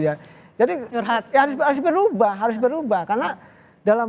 jadi harus berubah harus berubah karena